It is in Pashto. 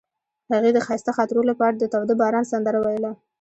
هغې د ښایسته خاطرو لپاره د تاوده باران سندره ویله.